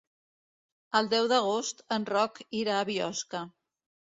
El deu d'agost en Roc irà a Biosca.